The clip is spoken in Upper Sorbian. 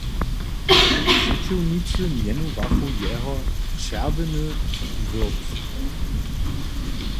Přećiwnicy mjenowachu jeho "čerwjeny Wirth".